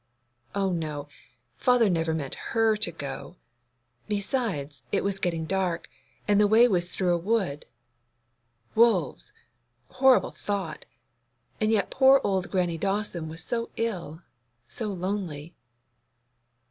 Oh no; father never meant her to go. Besides, it was getting dark, and the way was through a wood. Wolves! Horrible thought! And yet poor old Grannie Dawson was so ill, so lonely.